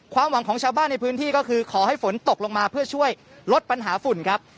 ความหวังของชาวบ้านในพื้นที่ก็คือขอให้ฝนตกลงมาเพื่อช่วยลดปัญหาฝุ่นครับ